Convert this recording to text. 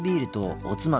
おつまみ。